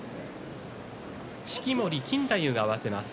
式守錦太夫が合わせます。